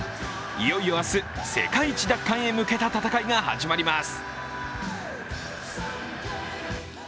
いよいよ明日、世界一奪還へ向けた戦いが始まります。